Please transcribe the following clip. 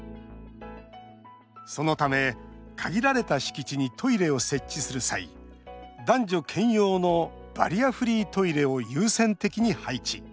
そのため、限られた敷地にトイレを設置する際男女兼用のバリアフリートイレを優先的に配置。